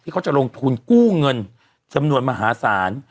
เขาจะลงทุนกู้เงินจำนวนมหาศาล